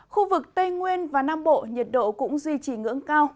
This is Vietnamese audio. khu vực tây nguyên và nam bộ nhiệt độ cũng duy trì ngưỡng cao